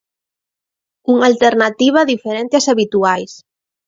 Unha alternativa diferente ás habituais.